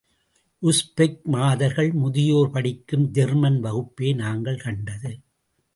Uzbek மாதர்கள் முதியோர் படிக்கும் ஜெர்மன் வகுப்பே நாங்கள் கண்டது.